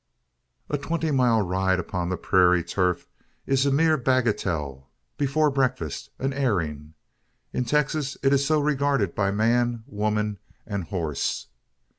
A twenty mile ride upon prairie turf is a mere bagatelle before breakfast, an airing. In Texas it is so regarded by man, woman, and horse.